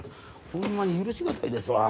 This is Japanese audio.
ほんまに許しがたいですわ